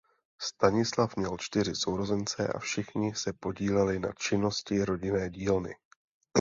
Stanislav měl čtyři sourozence a všichni se podíleli na činnosti rodinné dílny.